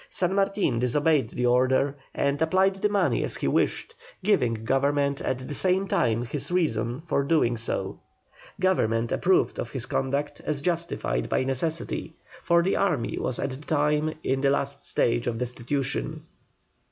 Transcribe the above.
San Martin disobeyed the order and applied the money as he wished, giving Government at the same time his reasons for so doing. Government approved of his conduct as justified by necessity, for the army was at the time in the last stage of destitution.